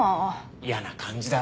嫌な感じだろ？